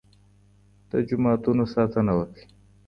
د جوماتونو ساتنه وکړئ.